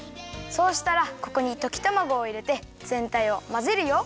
そうしたらここにときたまごをいれてぜんたいをまぜるよ。